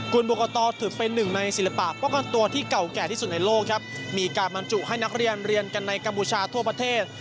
คุณบุกตถือเป็นหนึ่งในศิลปะป้องกันตัวที่เก่าแก่ที่สุดในโลกครับมีการบรรจุให้นักเรียนเรียนกันในกัมพูชาทั่วประเทศ